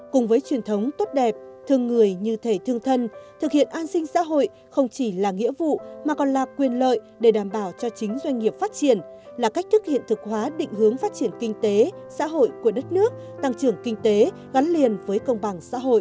cùng với truyền thống tốt đẹp thương người như thể thương thân thực hiện an sinh xã hội không chỉ là nghĩa vụ mà còn là quyền lợi để đảm bảo cho chính doanh nghiệp phát triển là cách thức hiện thực hóa định hướng phát triển kinh tế xã hội của đất nước tăng trưởng kinh tế gắn liền với công bằng xã hội